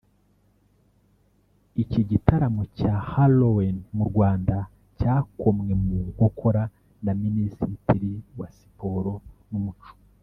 iki gitaramo cya Hallowen mu Rwanda cyakomwe mu nkokora na Minisiteri ya Siporo n’Umuco